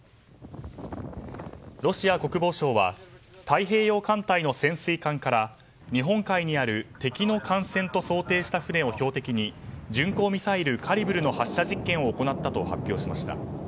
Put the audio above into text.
ロシア国防省は太平洋艦隊の潜水艦から日本海にある敵の艦船と想定した船を標的に巡航ミサイルカリブルの発射実験を行ったと発表しました。